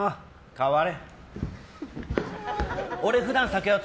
代われ。